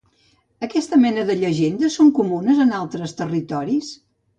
Aquesta mena de llegendes són comunes en altres territoris?